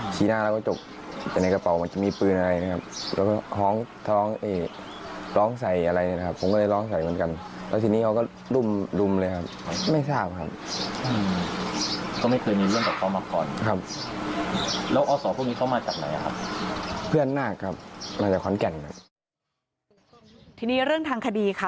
ทีนี้เรื่องทางคดีค่ะ